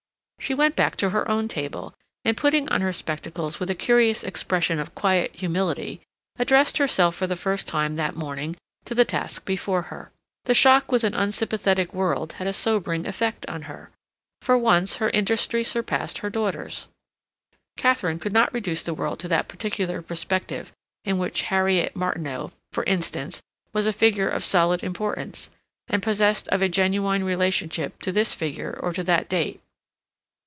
She went back to her own table, and putting on her spectacles with a curious expression of quiet humility, addressed herself for the first time that morning to the task before her. The shock with an unsympathetic world had a sobering effect on her. For once, her industry surpassed her daughter's. Katharine could not reduce the world to that particular perspective in which Harriet Martineau, for instance, was a figure of solid importance, and possessed of a genuine relationship to this figure or to that date.